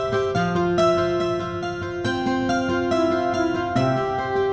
jadi mungkin kesabaran buat tengok tuhan saat ini